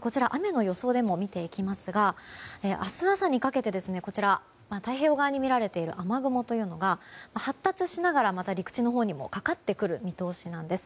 こちら、雨の予想でも見ていきますが明日朝にかけて太平洋側に見られている雨雲が発達しながらまた陸地のほうにもかかってくる見通しなんです。